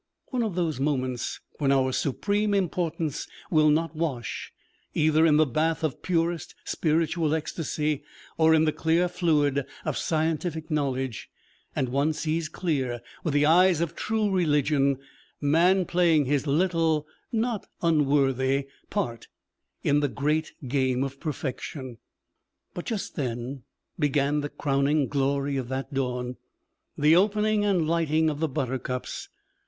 One of those moments when our supreme importance will not wash either in the bath of purest spiritual ecstasy, or in the clear fluid of scientific knowledge; and one sees clear, with the eyes of true religion, man playing his little, not unworthy, part in the great game of Perfection. But just then began the crowning glory of that dawn the opening and lighting of the buttercups.